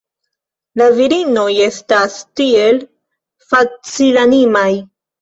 La virinoj estas tiel facilanimaj.